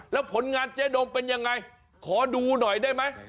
แล้วผลงานเจ๊ดงเป็นยังไงขอดูหน่อยได้ไหม